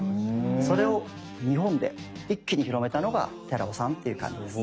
それを日本で一気に広めたのが寺尾さんっていう感じです。